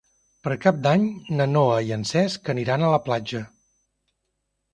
Per Cap d'Any na Noa i en Cesc aniran a la platja.